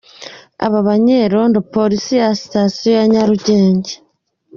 Aba banyerondo Polisi ya Sitasiyo ya Nyarugenge.